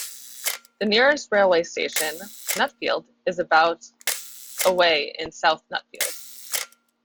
The nearest railway station, Nutfield, is about away in South Nutfield.